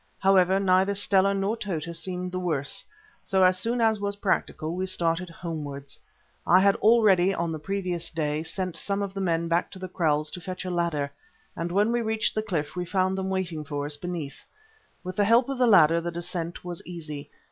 However, neither Stella nor Tota seemed the worse, so as soon as was practical we started homewards. I had already on the previous day sent some of the men back to the kraals to fetch a ladder, and when we reached the cliff we found them waiting for us beneath. With the help of the ladder the descent was easy.